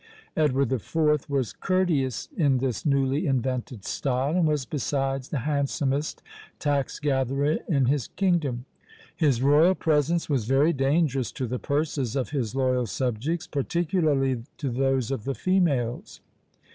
Edward IV. was courteous in this newly invented style, and was besides the handsomest tax gatherer in his kingdom! His royal presence was very dangerous to the purses of his loyal subjects, particularly to those of the females.